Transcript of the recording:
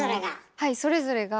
はいそれぞれが。